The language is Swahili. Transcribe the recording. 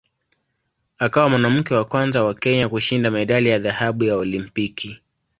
Akawa mwanamke wa kwanza wa Kenya kushinda medali ya dhahabu ya Olimpiki.